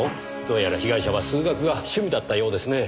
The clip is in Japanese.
どうやら被害者は数学が趣味だったようですね。